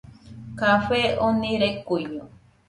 Café oni rekuiño